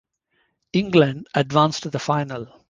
England advanced to the final.